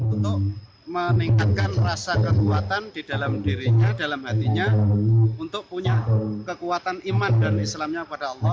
untuk meningkatkan rasa kekuatan di dalam dirinya dalam hatinya untuk punya kekuatan iman dan islamnya pada allah